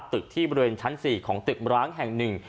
ตึกที่บริเวณชั้น๔ของตึกร้างแห่งหนึ่ง